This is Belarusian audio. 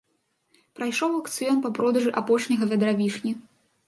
Прайшоў аўкцыён па продажы апошняга вядра вішні.